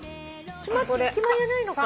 決まりはないのか。